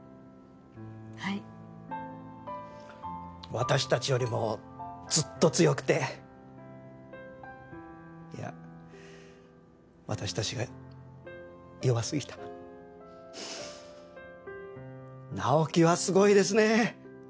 はい私たちよりもずっと強くていや私たちが弱すぎた直木はすごいですね